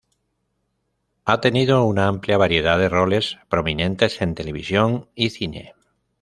Ha tenido una amplia variedad de roles prominentes en televisión y cine.